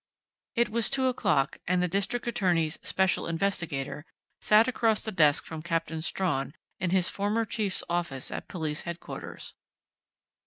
It was two o'clock, and the district attorney's "special investigator" sat across the desk from Captain Strawn, in his former chief's office at Police Headquarters.